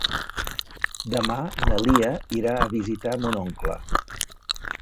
Demà na Lia irà a visitar mon oncle.